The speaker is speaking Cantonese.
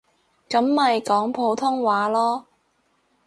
噉咪講普通話囉